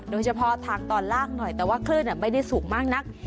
โดยเฉพาะทางตอนล่างหน่อยแต่ว่าคลื่นไม่ได้สูงมากนัก